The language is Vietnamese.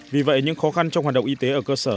vì vậy những khó khăn trong hoạt động y tế ở cơ sở